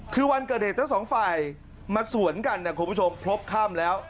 คือวันเกิดเหตุทั้งสองไฟมาสวนกันเนี่ยคุณผู้ชมพบข้ามแล้ว